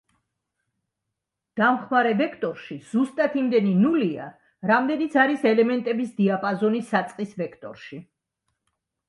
დამხმარე ვექტორში ზუსტად იმდენი ნულია, რამდენიც არის ელემენტების დიაპაზონი საწყის ვექტორში.